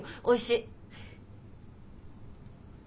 おいしい。